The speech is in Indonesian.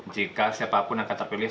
jika siapa pun yang akan terpilih